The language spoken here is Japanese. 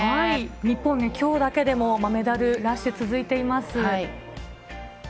日本ね、きょうだけでもメダルラッシュ続いています。